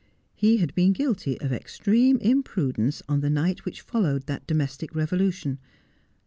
He had been guilty of extreme imprudence on the night which followed that domestic revolution.